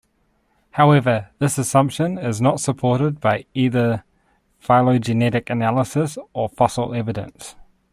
However, this assumption is not supported by either phylogenetic analysis or fossil evidence.